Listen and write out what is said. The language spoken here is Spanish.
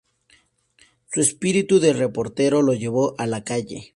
Su espíritu de reportero lo llevó a la calle.